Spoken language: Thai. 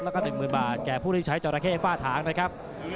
แล้วก็๑๐๐๐บาทแก่ผู้ที่ใช้จราเข้ฝ้าถางนะครับ